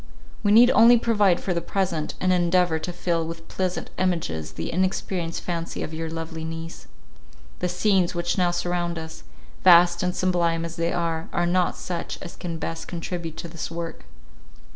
We need only provide for the present, and endeavour to fill with pleasant images the inexperienced fancy of your lovely niece. The scenes which now surround us, vast and sublime as they are, are not such as can best contribute to this work.